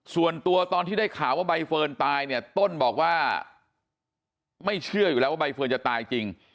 ส่วนตัวตอนที่ได้ข่าวว่าใบเฟิร์นตายเนี่ยต้นบอกว่าไม่เชื่ออยู่แล้วว่าใบเฟิร์นจะตายจริง